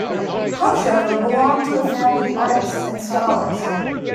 Haushofer belonged to a family of artists and scholars.